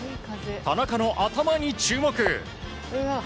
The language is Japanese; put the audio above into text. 田中の頭に注目。